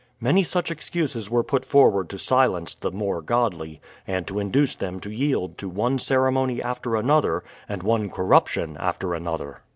Many such excuses were put for THE PLYMOUTH SETTLEIMENT 5 ward to silence the more godly, and to induce them to yield to one ceremony after another, and one corruption after another.